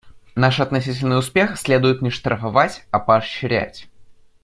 Наш относительный успех следует не штрафовать, а поощрять.